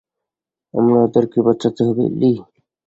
আমার ওদেরকে বাঁচাতে হবে, লিহ!